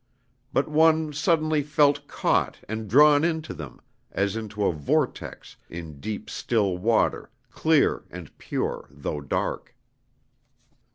But one suddenly felt caught and drawn into them, as into a vortex in deep, still water, clear and pure, though dark.